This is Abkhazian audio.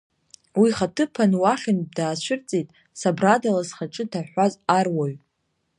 Уи ихаҭыԥан уахьынтә даацәырҵит сабрадала зхаҿы ҭаҳәҳәаз аруаҩ.